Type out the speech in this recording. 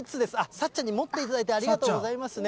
さっちゃんに持っていただいて、ありがとうございます。